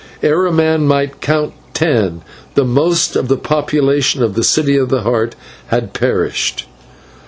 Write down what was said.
Ere a man might count ten the most of the population of the City of the Heart had perished!